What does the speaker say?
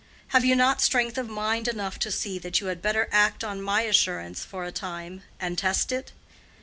Have you not strength of mind enough to see that you had better act on my assurance for a time, and test it?